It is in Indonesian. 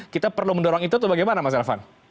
kita perlu mendorong itu atau bagaimana mas elvan